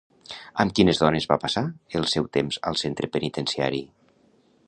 Amb quines dones va passar el seu temps al centre penitenciari?